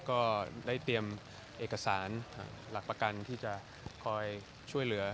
ก็ได้เตรียมเอกสารหลักประกันที่จะคอยช่วยเหลือ